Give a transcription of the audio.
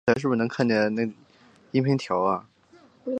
通过荧光原位杂交能够确认它们的存在。